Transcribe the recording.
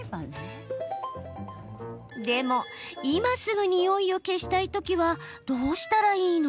でも、今すぐニオイを消したいときはどうしたらいいの？